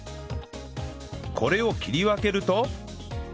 これを切り分けると